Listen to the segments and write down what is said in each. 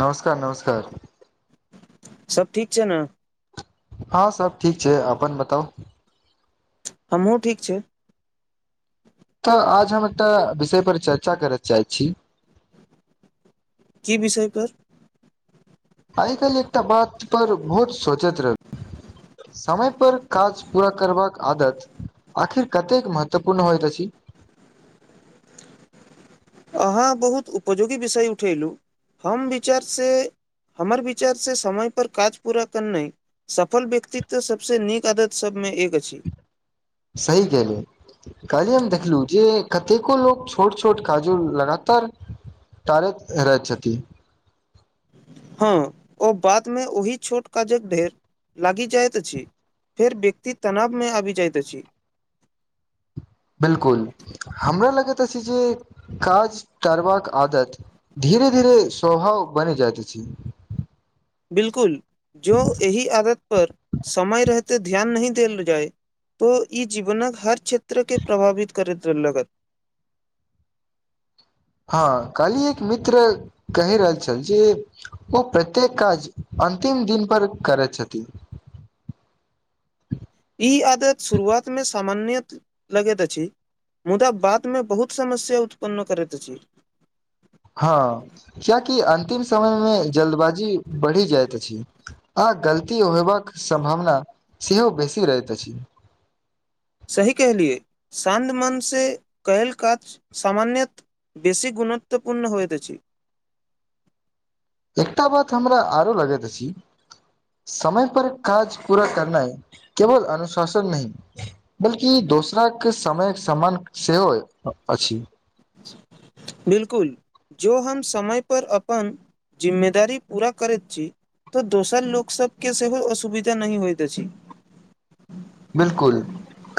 नमस्कार - नमस्कार सब ठीक छैय नऽ हँ सब ठीक छै अपन बताउ हमहूँ ठीक छै तऽ आज हम एकटा विषय पर चर्चा करैत चाहैत छी की विषय पर आइ काइल एकटा बात पर बहुत सोचैत रह समय पर काज पुरा करबाक आदत आखिर कतेक महत्वपूर्ण होइत अछि अहाँ बहुत उपजोगी विषय उठेलहुँ हम विचार से हमर विचार से समय पर काज पूरा करनाइ सफल व्यक्तित्व सबसँ नीक आदत सभमे एक अछि। सही केहलियू काल्हि हम देखलहु जे कतेको लोक छोट - छोट काज उ लगातार टारेत रहै छथि हँ ओ बादमे ओहि छोट काजक ढेर लागि जाइत अछि फेर व्यक्ति तनाव मे आबि जाइत अछि। बिलकुल हमरा लगैत अछि जे काज टारबाक आदत धीरे - धीरे स्वभाव बनि जाइत अछि। बिलकुल जो एहि आदत पर समय रहते ध्यान नहि देल जाय तो इ जीवनक हर क्षेत्र केँ प्रभावित करैत लगत हँ कल्हि एक मित्र कहि रहल छल जे ओ प्रत्येक काज अन्तिम दिन पर करैत छथि ई आदत शुरुआतमे सामान्य लगैत अछि मुदा बाद मे बहुत समस्या उत्पन्न करैत अछि हँ कियाकि अंतिम समय मे जल्दबाजी बढ़ि जाइत अछि। आ गलती होयबाक सम्भावना सेहो बेसी रहैत अछि। सही कहलियए शान्द मन से कइल काज सामान्यत बेसी गुणत्वपूर्ण होइत अछि एकटा बात हमरा आरो लगैत अछि समय पर काज पूरा करनाइ केवल अबशासन नहि ब्लकि दोसराक समायक समान सेहो अछि बिलकुल जो हम समय पर अपन जिम्मेदारी पूरा करैत छी तऽ दोसर लोक सभ केँ सेहो असुविधा नहि होइत अछि। बिलकुल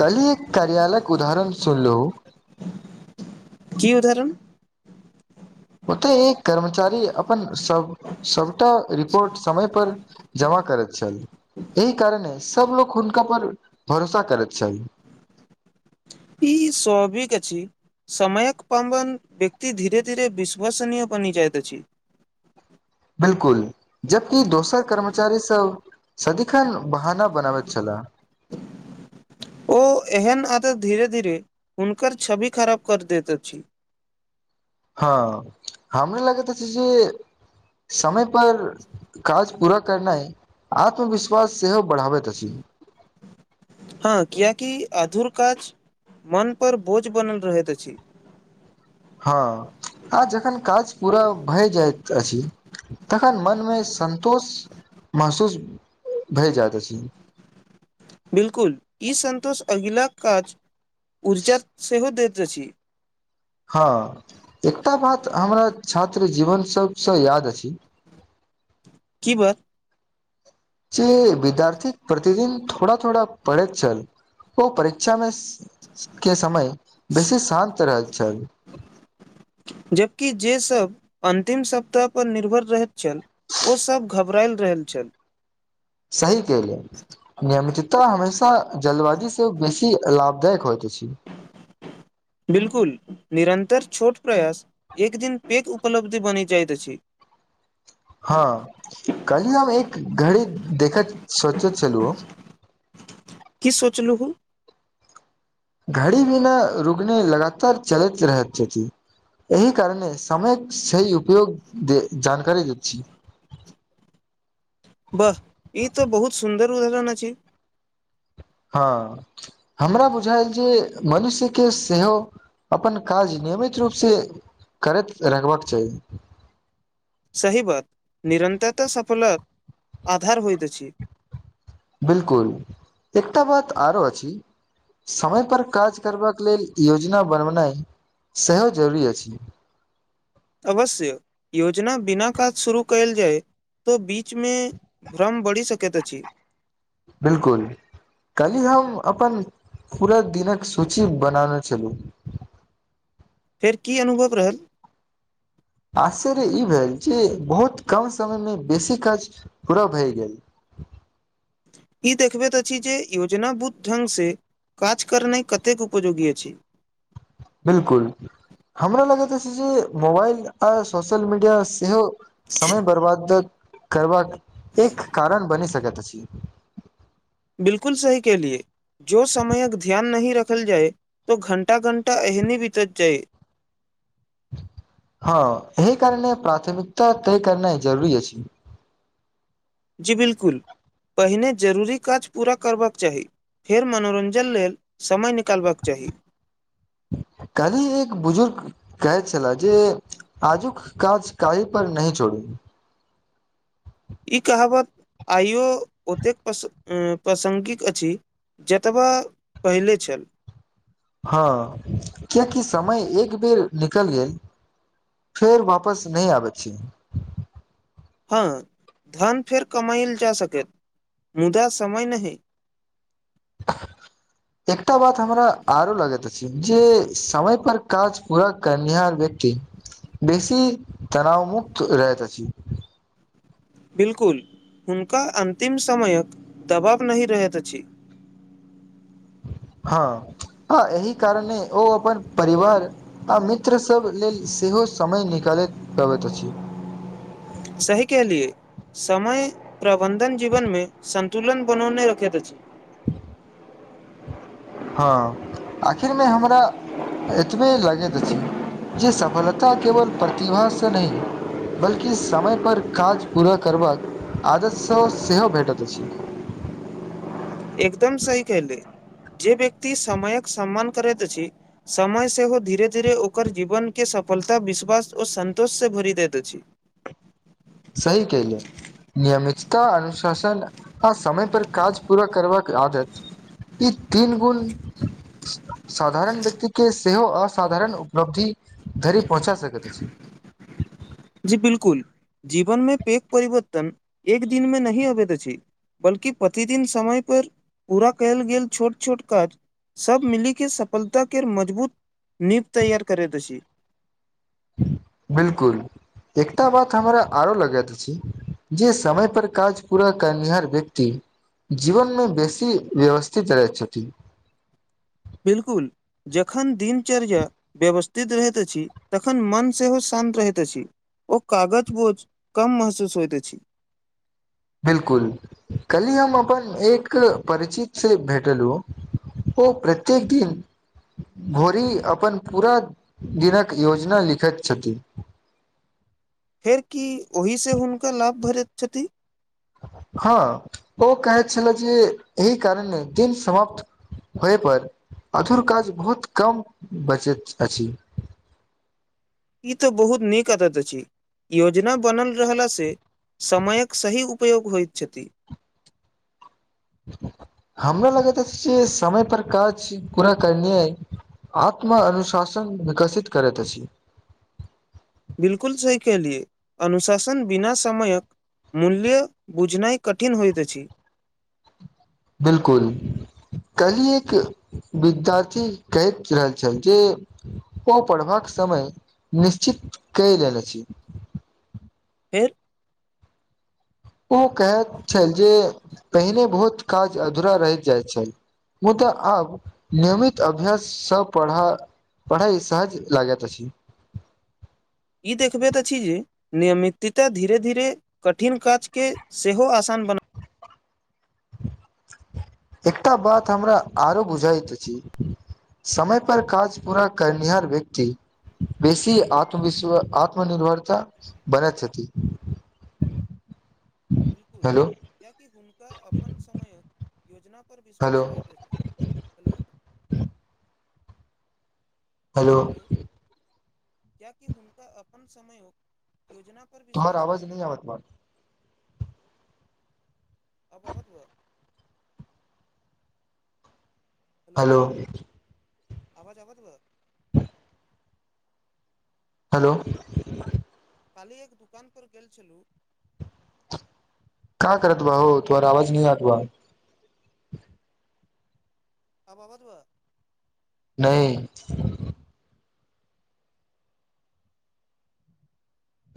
कल्हि एक कार्यालयक उदाहरण सुनलू की उदाहरण ओते एक कर्मचारी अपन सब सभटा रिपोर्ट समय पर जमा करैत छल। एहि कारणे सब लोको हुनका पर भरोसा करत छल ई स्वाभिक अछै समयक पावन व्यकति धीरे धीर विश्वसनीय बानी जाइत अछि। बिलकुल जबकि दोसर कर्मचारी सब सदिखन बहाना बनाबैत छलला ओ एहन आदत धीरे धीरे हुनकर छवि खराब कर दैत अछि। हँ हमरा लागैत छै जे समय पर काज पूरा करनाइ आत्मविश्वास सेहो बढ़ाबैत अछि हँ कियकि अधुर काज मन पर बोझ बनल रहैत अछि हँ आ जखन काज पूरा भए जाइत अछि तखन मनमे संन्तोष महसूस भए जायइत अछि बिल्कुल ई स संतोष अगिला काज ऊर्जा सेहो दैत अछि हँ एकटा बात हमरा छात्र जीवन सभसँ याद अछि की बात। जे विद्यार्थी प्रतिदिन थोड़ा थोड़ा पढ़ैत छल ओ परीक्षा मे स के समय बेसी शान्त रहैत छल। जबकि जे सब अन्तिम सप्ताह पर निर्भर रहैत छल ओसभ घब रायल रहल छल सही केलेल नियमितता हमेशा जल्दवाजी से बेसी लाभदायक होइत अछि बिल्कुल निरन्तर छोट प्रयास एक दिन पैघ उपलब्ध बनि जाइत अछि हँ कहली हम एक घड़ी देखैत सोचैत छलु की सोचलहु घड़ी बिना रुकने लगातार चलैत रहैत छथिन एहि कारणे समयक सेहि उपयोग जानकारी द छी बाह ई तऽ बहुत सुन्दर उदाहरण अछि हँ हमरा बुझायल जे मनुष्यके सेहो अपन काज नियमित रूपसँ करैत रखबाक चाही सही बात निरन्तरता सफलता आधार होइत अछि बिलकुल एकटा बात आरो अछि समयपर काज करबाक लेल योजना बनेनाइ सेहो जरूरी अछि अवश्य योजना बिना काज शुरू कयल जाय तो बीच बीच मे भ्रम बढ़ि सकैत अछि बिलकुल कहली हम अपन पूरा दिनक सूची बनानने छलहुँ फेर की अनुभव रहल ई भेल जे बहुत कम समयमे बेसी काज पूरा भए गेल ई देखबैत अछि जे योजना बुद्ध ढंग से काज करनाइ कतेक उपयोगी अछि बिलकुल हमरा लगैत अछि जे मोबाइल आ सोसल मीडिया सेहो समय बर्बाद करबाक एक कारण बनी सकत अछि बिलकुल सही कलियै जो समयक ध्यान नहि रखल जाय तो घण्टा घण्टा एहने बितत जाय हँ एहि कारण प्राथमिकता तय करनाइ जरूरी अछि जी बिलकुल पहिने जरूरी काज पूरा करबाक चाही फेर मनोरञ्जन लेल समय निकालबाक चाही काली एक बुजुर्ग कहै छल जे आजुक काज काइल पर नय छोड़ू ई कहावत आइयो ओतेक प्रस प्रासङ्गिक अछि जतबा पहिले छल हँ कियकि समय एक बेर निकलि गेल फेर वापस नय आबै छी हँ धन फेर कमाइल जा सकत मुदा समय नहि [unintelligible] एकटा बात हमरा आरो लगैत अछि जे समय पर काज पूरा करनिहार व्यक्ति बेसी तनाावमुक्त रयत अछि बिल्कुल हुनका अन्तिम समयके दबाब नय रहैत अछि हँ ह एहिह कारणे ओ अपन परिवार। आ मित्रसभ लेल सेहो समय निकालैत पबैत अछि। सहीके लिए समय प्रबन्धन जीवनमे सन्तुलन बनौने रखैत अछि। [unintelligible] हँ आखिर मे हमरा एतबे लगैत अछि जे सफलता केवल प्रतिभासँ नय बल्कि समय पर काज पूरा करब आदत स सेहो भेटैत अछि एकदम सही केहले जे व्यक्ति समयक सम्मान करैत अछि समय सेहो धीरे धीरे ओकर जीवनके सफलता विश्वास आओर सन्तोषसँ भरि दैत अछि। सही केलिय। नियमितता अनुशासन आ समय पर काज पूरा कर आदत। ई दिनगण। साधारण व्यक्ति के सेहो असाधारण उपलब्धि धरि पहुँचा सकैत अछि। जी बिलकुल जीवन मे पक परिवर्तन एक दिन मे नही अबैत छै। बल्ि प्रतिदिन समय पर पूरा कयल गेल छोट छोट काज। सब मिली के सफलता के मजबूत नीप तैयार करे द छी। बिलकुल। एकटा बात हमरा आरो लगत अछि जे समय पर काज पूरा करनिहार व्यक्ति। जीवनमे बेसी व्यवस्थित रहैत छथिन। बिलकुल जखन दिनचर्या व्यवस्थित रहैत अछि तखन मन सेहो शान्त रहैत अछि। ओ कागज बोझ कम महसूस होइत छी। बिलकुल कलहि हम अपन एक परिचितसँ भेटल हु। ओ प्रत्येक दिन। भोरी अपन पूरा दिनक योजना लिखैत छथिन। फेर की ओहि से हुनका लाभ भरैत छथि। हँ ओ कहैत छल जे एहि कारणे दिन समाप्त। होहिपर अधुर काज बहुत कम बचैत अछि। ई तऽ बहुत नीक आदत अछि योजना बनल रहास से। समयक सही उपयोग होइत छथि हमरा लगैत अछि जे समय पर काज पूरा करनिअइ आत्म अनुशासन विकसित करैत अछि बिलकुल सी केहलियै अनुशासन बिना समायक मूल्य बुझनाइ कठिन होइत अछि बिलकुल कल्हि एक विद्यार्थी कहैत रहल छल जे ओ पढ़बाक समय निश्चित कैय लेल छी फेर ओ कहैत छल जे पहिने बहुत काज अधूरा रहि जाइत छल मुदा आब नियमित अभ्याससँ पढ़ा पढ़ाइ सहज लागैत अछि ई देखबेत अछि जे नियमितता धीरे - धीरे कठिन काज केँ सेहो आसान बना एकटा बात हमरा आरो बुझाइत अछि समय पर काज पूरा करनिहार व्यक्ति बेसी आत्मवश विश्वा - आत्मनिर्भरता बनेत छथि बिलकू हेलो कियकि हुनका अपन समयक योजना पर हेलो विश्वास रहैत अछि हेलो हेलो कियाकि हुनका अपन समयो योजना पर तोहर विश्वास आवाज रहैत नहि अछि आवत बा आबऽ बतबऽ हेलो हलो आवाज आबत बा हेलो काल्हि एक दोकान पर गेल छलु का करत बा हो तोहर आवाज नहि आत बा आब आबत बा नहि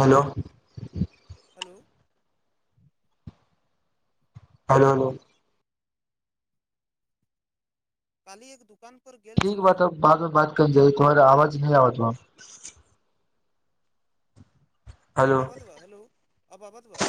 हेलो हेलो हलो हलो काल्हि एक दुकान पर गेल ठीक छलु बात तऽ बादमे बात मे बत कइल जाइ तोहर आवाज नय आबत बा अब आबत बा हेलो अब आबत बा